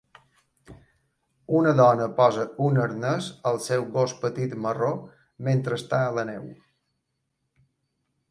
Una dona posa un arnès al seu gos petit marró mentre està a la neu.